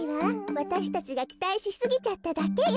わたしたちがきたいしすぎちゃっただけよ。